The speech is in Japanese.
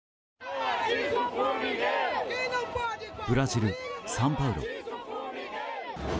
ブラジル・サンパウロ。